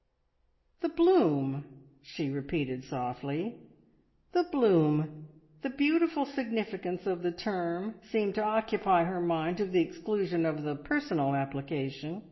"The bloom!" she repeated softly. "The bloom!" The beautiful significance of the term seemed to occupy her mind to the exclusion of the personal application.